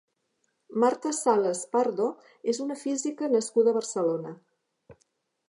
Marta Sales-Pardo és una física nascuda a Barcelona.